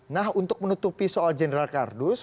nah untuk menutupi soal general kardus